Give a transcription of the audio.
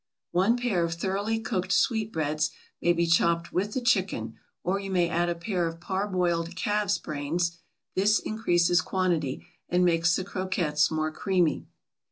One pair of thoroughly cooked sweetbreads may be chopped with the chicken, or you may add a pair of parboiled calf's brains; this increases quantity, and makes the croquettes more creamy.